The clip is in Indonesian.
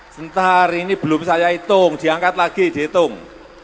sebentar ini belum saya hitung diangkat lagi dihitung